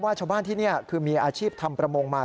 ชาวบ้านที่นี่คือมีอาชีพทำประมงมา